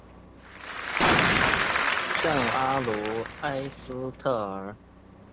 圣阿卢埃斯特尔。